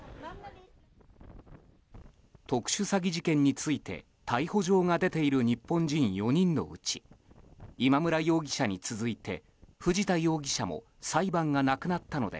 特殊詐欺事件について逮捕状が出ている日本人４人のうち今村容疑者に続いて藤田容疑者も裁判がなくなったので